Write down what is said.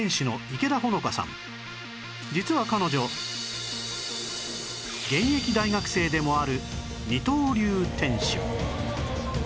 実は彼女現役大学生でもある二刀流店主